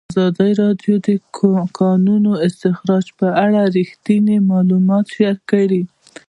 ازادي راډیو د د کانونو استخراج په اړه رښتیني معلومات شریک کړي.